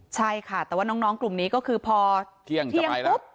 ใช่ค่ะแต่ว่าน้องกลุ่มนี้ก็คือพอเที่ยงจะไปแล้ว